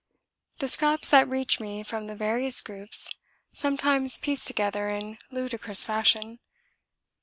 The scraps that reach me from the various groups sometimes piece together in ludicrous fashion.